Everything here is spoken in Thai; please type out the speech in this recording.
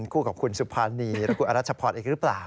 คู่กับคุณสุภานีและคุณอรัชพรอีกหรือเปล่า